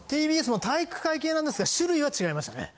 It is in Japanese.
ＴＢＳも体育会系なんですが種類は違いましたね。